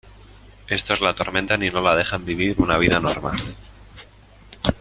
Estos la atormentan y no la dejan vivir una vida normal.